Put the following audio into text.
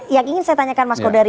yang ingin saya tanyakan mas kodari